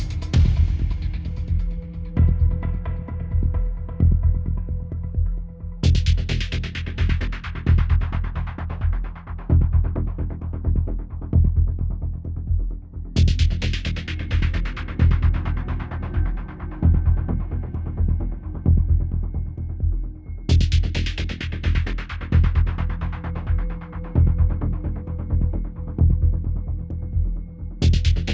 อย่างเงี้ยค่ะเราก็ว่าถ่ายหน้ามืดตามมัวอะไรเป็นปี